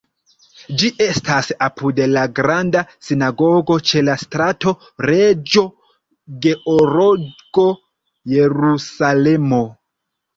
Ĝi estas apud la Granda Sinagogo ĉe la Strato Reĝo Georgo, Jerusalemo.